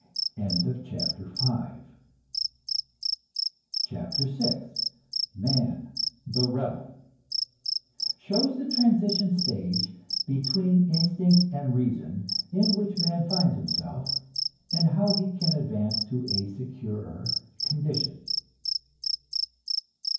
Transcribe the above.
CHAPTER VI MAN THE REBEL (Shows the transition stage between instinct and reason, in which man finds himself, and how he can advance to a securer condition.)